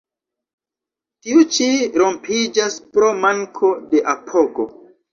Tiu ĉi rompiĝas pro manko de apogo.